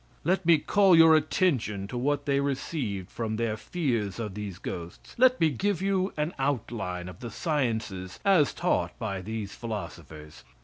Let me call your attention to what they received from their fears of these ghosts. Let me give you an outline of the sciences as taught by those philosophers.